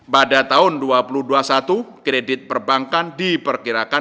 pada tahun dua ribu dua puluh satu kredit perbankan diperkirakan